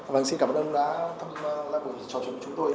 vâng xin cảm ơn ông đã thăm lại buổi trò chuyện với chúng tôi